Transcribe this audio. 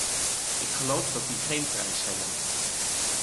Ik geloof dat die geen prijs hebben.